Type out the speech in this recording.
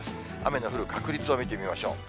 雨の降る確率を見てみましょう。